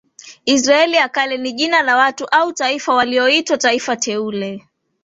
Israeli ya Kale ni jina la watu au taifa walioitwa taifa teule